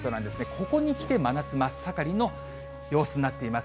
ここにきて真夏真っ盛りの様子になっています。